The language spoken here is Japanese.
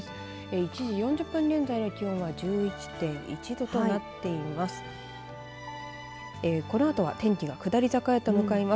１時４０分現在の気温は１１．１度となっています。